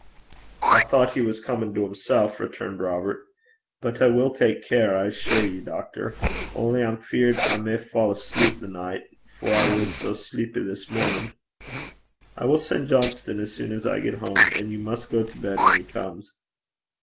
'I thocht he was comin' till himsel',' returned Robert. 'But I will tak care, I assure ye, doctor. Only I'm feared I may fa' asleep the nicht, for I was dooms sleepy this mornin'.' 'I will send Johnston as soon as I get home, and you must go to bed when he comes.'